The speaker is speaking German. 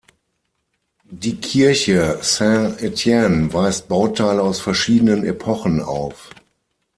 Die Kirche Saint-Étienne weist Bauteile aus verschiedenen Epochen auf.